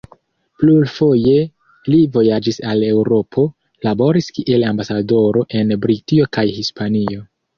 Plurfoje li vojaĝis al Eŭropo, laboris kiel ambasadoro en Britio kaj Hispanio.